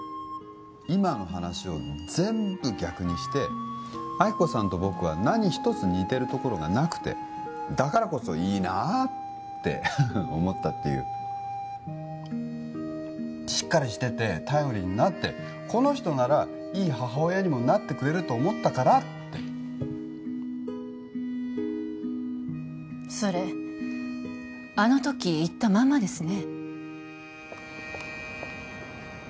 今の話を全部逆にして亜希子さんと僕は何一つ似てるところがなくてだからこそいいなって思ったっていうしっかりしてて頼りになってこの人ならいい母親にもなってくれると思ったからってそれあのとき言ったまんまですね